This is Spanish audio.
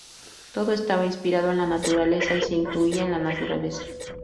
Todo estaba inspirado en la naturaleza y se incluía en la naturaleza.